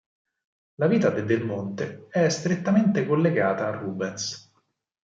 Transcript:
La vita di Del Monte è strettamente collegata a Rubens.